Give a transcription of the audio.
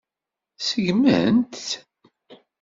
Ṣeggment-t.